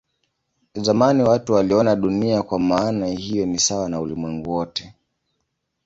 Zamani watu waliona Dunia kwa maana hiyo ni sawa na ulimwengu wote.